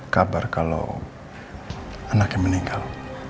kabar kalau anaknya meninggal